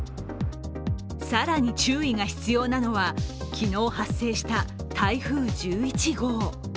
更に注意が必要なのは、昨日発生した台風１１号。